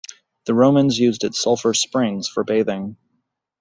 The Romans used its sulphur springs for bathing.